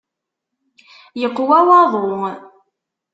Yeqwa waḍu.